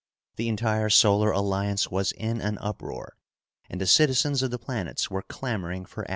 The entire Solar Alliance was in an uproar, and the citizens of the planets were clamoring for action.